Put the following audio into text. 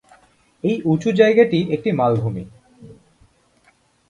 এই উচু জায়গাটি একটি মালভূমি।